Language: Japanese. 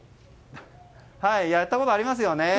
やったことありますよね。